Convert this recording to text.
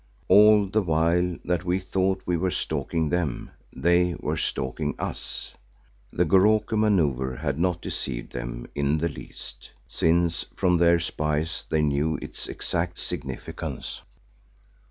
All the while that we thought we were stalking them, they were stalking us. The Goroko manoeuvre had not deceived them in the least, since from their spies they knew its exact significance.